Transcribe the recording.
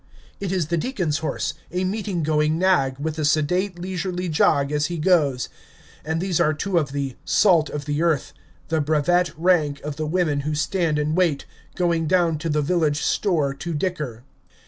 It is the deacon's horse, a meeting going nag, with a sedate, leisurely jog as he goes; and these are two of the "salt of the earth," the brevet rank of the women who stand and wait, going down to the village store to dicker.